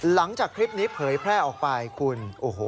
หลังจากคลิปนี้เผยแพร่ออกไปคุณโอ้โห